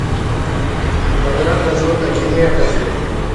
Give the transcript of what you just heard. بدرنګه زړه له کینې ډک وي